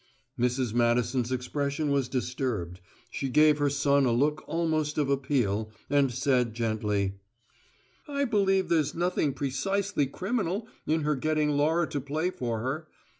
Mrs. Madison's expression was disturbed; she gave her son a look almost of appeal, and said, gently: "I believe there's nothing precisely criminal in her getting Laura to play for her.